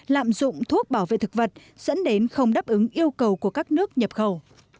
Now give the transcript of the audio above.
lạm dụng thuốc bảo vệ thực vật dẫn đến không đáp ứng yêu cầu của các nước nhập khẩu